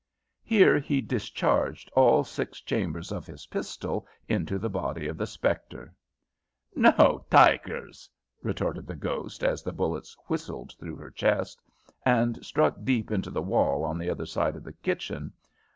Here he discharged all six chambers of his pistol into the body of the spectre. "No taikers," retorted the ghost, as the bullets whistled through her chest, and struck deep into the wall on the other side of the kitchen.